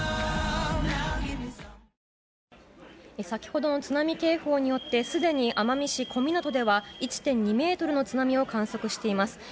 先ほどの津波警報によってすでに奄美市小湊では１．２ｍの津波を観測しています。